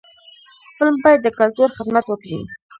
فلم باید د کلتور خدمت وکړي